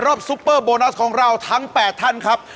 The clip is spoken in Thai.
ซุปเปอร์โบนัสของเราทั้ง๘ท่านครับ